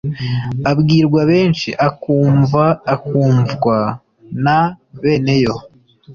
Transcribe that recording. Abwirwa benshi akumva (akwumvwa na) bene yo.